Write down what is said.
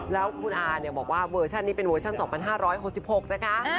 แล้วคุณอาบอกว่าเวอร์ชันนี้เป็นเวอร์ชัน๒๕๖๖นะคะ